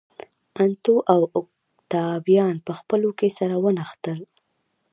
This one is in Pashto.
انتو او اوکتاویان په خپلو کې سره ونښتل.